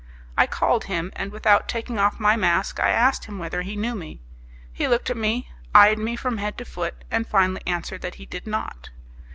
I called him, and without taking off my mask I asked him whether he knew me. He looked at me, eyed me from head to foot, and finally answered that he did not.